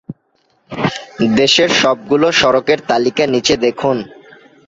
দেশের সবগুলো সড়কের তালিকা নিচে দেখুন